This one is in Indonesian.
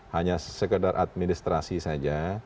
hanya sekedar administrasi saja